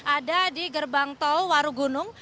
ada di gerbang tol warugunung